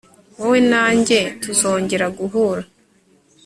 wowe na njye tuzongera guhura